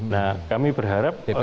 nah kami berharap